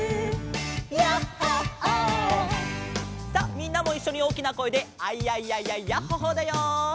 みんなもいっしょにおおきなこえで「アイヤイヤイヤイヤッホ・ホー」だよ。